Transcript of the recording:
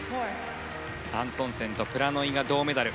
アントンセンとプラノイが銅メダル。